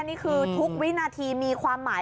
นี่คือทุกวินาทีมีความหมาย